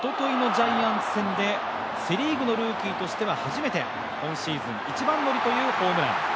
ジャイアンツ戦でセ・リーグのルーキーとしては初めて今シーズン１番乗りというホームラン。